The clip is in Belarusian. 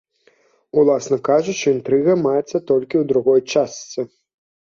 Уласна кажучы, інтрыга маецца толькі ў другой частцы.